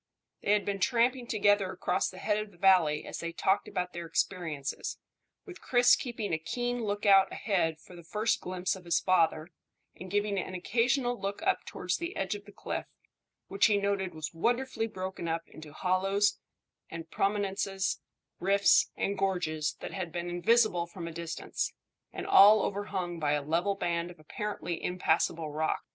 They had been tramping together across the head of the valley as they talked about their experiences, with Chris keeping a keen lookout ahead for the first glimpse of his father, and giving an occasional look up towards the edge of the cliff, which he noted was wonderfully broken up into hollows and prominences, rifts and gorges that had been invisible from a distance, and all overhung by a level band of apparently impassable rock.